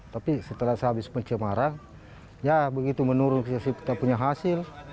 tapi setelah sehabis pencemaran ya begitu menurun kita punya hasil